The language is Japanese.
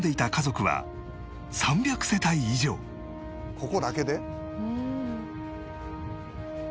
「ここだけで？」